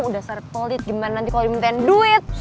udah serpolit gimana nanti kalo dimintain duit